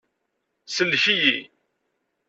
Sellek-iyi!